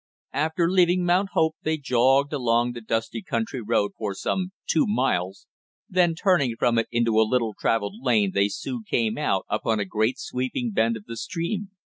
After leaving Mount Hope they jogged along the dusty country road for some two miles, then turning from it into a little traveled lane they soon came out upon a great sweeping bend of the stream.